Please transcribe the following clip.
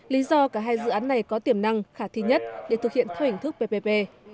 lý do cả hai dự án này có tiềm năng khả thi nhất để thực hiện theo hình thức ppp